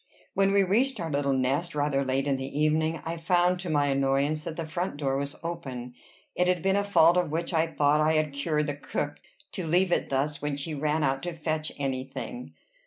When we reached our little nest, rather late in the evening, I found to my annoyance that the front door was open. It had been a fault of which I thought I had cured the cook, to leave it thus when she ran out to fetch any thing.